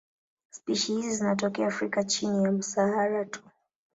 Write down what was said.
Spishi hizi zinatokea Afrika chini ya Sahara tu.